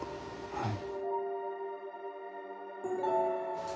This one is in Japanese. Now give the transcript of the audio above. はい。